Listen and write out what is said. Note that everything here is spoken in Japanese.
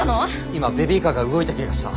今ベビーカーが動いた気がした。